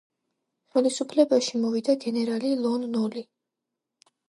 ხელისუფლებაში მოვიდა გენერალი ლონ ნოლი.